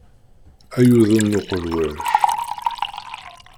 Ay udem n uqelwac!